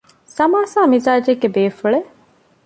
ސަމާސާ މިޒާޖެއްގެ ބޭފުޅެއް